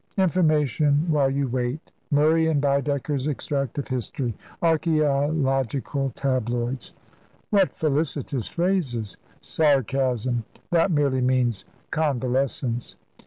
Information while you wait Murray and Baedeker's extract of history archeological tabloids." "What felicitous phrases!" "Sarcasm! That surely means convalescence."